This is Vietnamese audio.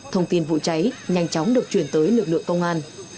thông tin vụ cháy nhanh chóng được chuyển tới lực lượng công an